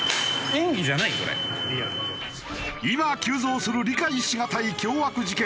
今急増する理解しがたい凶悪事件。